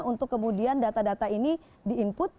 untuk kemudian data data ini di input